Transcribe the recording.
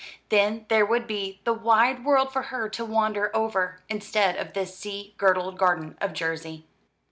Then there would be the wide world for her to wander over, instead of this sea girdled garden of Jersey.